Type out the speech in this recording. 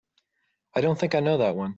I don't think I know that one.